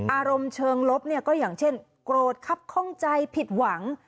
อารมณ์เชิงลบเนี่ยก็อย่างเช่นโกรธครับข้องใจผิดหวัง